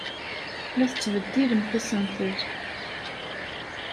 La tettbeddilemt asentel.